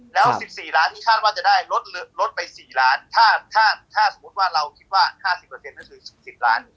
แล้ว๑๔ล้านที่คาดว่าจะได้ลดไป๔ล้านถ้าสมมุติว่าเราคิดว่า๕๐ก็คือ๑๐ล้าน